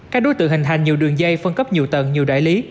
các đối tượng hình thành nhiều đường dây phân cấp nhiều tầng nhiều đại lý